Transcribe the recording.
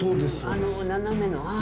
あの斜めの。